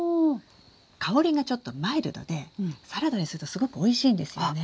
香りがちょっとマイルドでサラダにするとすごくおいしいんですよね。